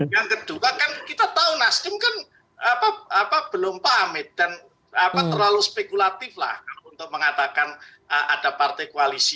yang kedua kan kita tahu nasdem kan belum pamit dan terlalu spekulatif lah untuk mengatakan ada partai koalisi